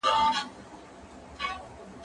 زه بايد کالي وچوم؟